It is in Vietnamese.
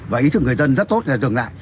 và ý thức người dân rất tốt dừng lại